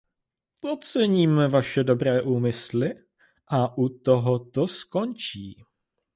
Oceníme vaše dobré úmysly a u toho to skončí.